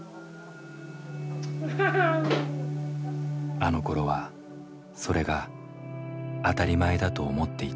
あのころはそれが当たり前だと思っていたが。